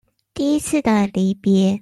第一次的離別